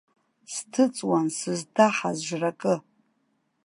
Сҭыҵуан сызҭаҳаз жракы.